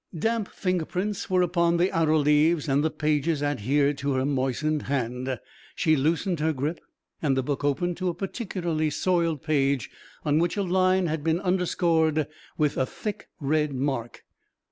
Damp finger prints were upon the outer leaves, and the pages adhered to her moistened hand. She loosened her grip, and the book opened to a particularly soiled page on which a line had been underscored with a thick red mark.